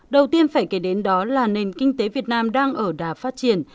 đầu tiên phải kể đến đó là nền kinh tế việt nam đang ở đà phát triển